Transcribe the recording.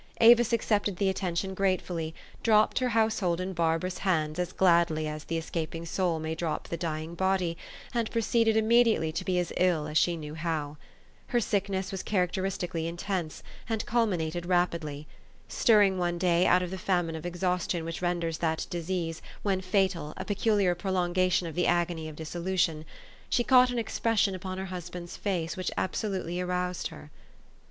Avis accepted the attention gratefully, dropped her house hold in Barbara's hands as gladly as the escaping soul may drop the d}'ing bod} T , and proceeded imme diately to be as ill as she knew how. Her sickness THE STORY OF AVIS. 329 was characteristically intense, and culminated rap idly. Stirring one clay, out of the famine of exhaus tion which renders that disease, when fatal, a pecu liar prolongation of the agony of dissolution, she caught an expression upon her husband's face which absolutely aroused her.